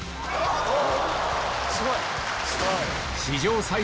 すごい！